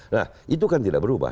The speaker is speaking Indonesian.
nah itu kan tidak berubah